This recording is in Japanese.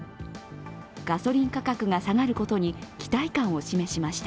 ガソリン価格が下がることに期待感を示しました。